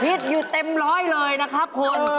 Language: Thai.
อยู่เต็มร้อยเลยนะครับคุณ